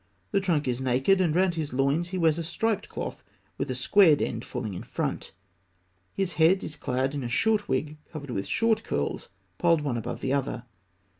The trunk is naked, and round his loins he wears a striped cloth with a squared end falling in front. His head is clad in a short wig covered with short curls piled one above the other.